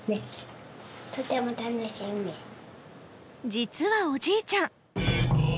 実はおじいちゃん。